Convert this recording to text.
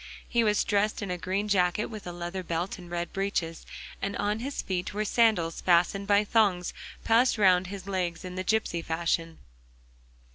He was dressed in a green jacket with a leather belt and red breeches, and on his feet were sandals fastened by thongs passed round his legs in the gipsy fashion.